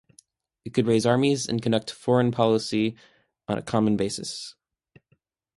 It could raise armies and conduct foreign policy on a common basis.